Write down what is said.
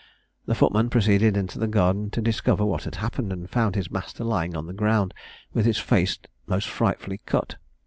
The footman proceeded into the garden to discover what had happened, and found his master lying on the ground, with his face most frightfully cut.